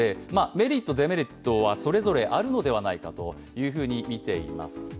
メリット、デメリットはそれぞれあるのではないかとみています。